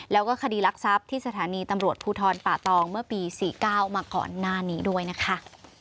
แล้วก็คดีรักทรัพย์ที่สถานีตำรวจภูทรป่าตองเมื่อปี๔๙มาก่อนหน้านี้ด้วยนะคะ